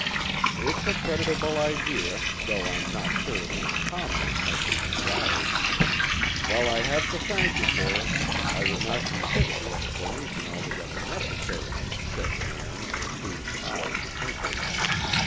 "It's a creditable idea, though I'm no sure it's as common as might be desired. While I have to thank ye for it, I would not consider the explanation altogether necessary," said Nairn, whose eyes twinkled.